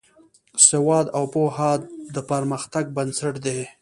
سواد او پوهه د پرمختګ بنسټ دی.